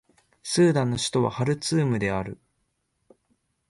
スーダンの首都はハルツームである